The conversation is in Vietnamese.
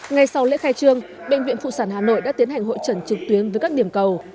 ngay sau lễ khai trương bệnh viện phụ sản hà nội đã tiến hành hội trần trực tuyến với các điểm cầu